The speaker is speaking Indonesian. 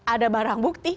ada barang bukti